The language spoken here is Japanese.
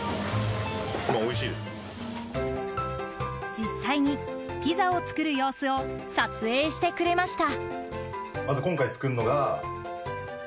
実際にピザを作る様子を撮影してくれました。